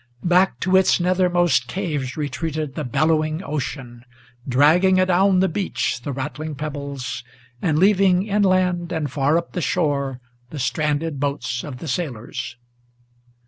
Back to its nethermost caves retreated the bellowing ocean, Dragging adown the beach the rattling pebbles, and leaving Inland and far up the shore the stranded boats of the sailors.